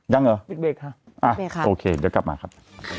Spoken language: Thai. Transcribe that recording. ยังเหรออ่ะโอเคเดี๋ยวกลับมาครับ